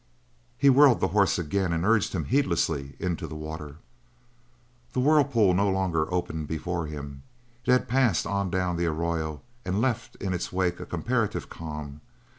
he whirled the horse again and urged him heedlessly into the water. The whirlpool no longer opened before him it had passed on down the arroyo and left in its wake a comparative calm.